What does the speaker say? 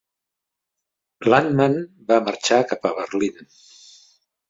Landmann va marxar cap a Berlín.